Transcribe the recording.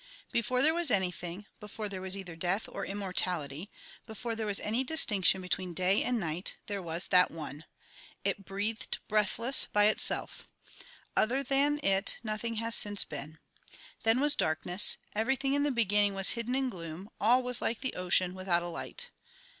Before there was anything, before there was either death or immortality, before there was any distinction between day and night, there was that One. It breathed breathless by itself. Other than it nothing has since been. Then was darkness, everything in the beginning was hidden in gloom, all was like the ocean, without a light.